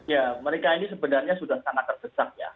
ya mereka ini sebenarnya sudah sangat terdesak ya